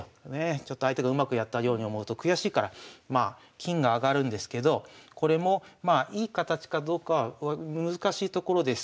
ちょっと相手がうまくやったように思うと悔しいからまあ金が上がるんですけどこれもいい形かどうかは難しいところです。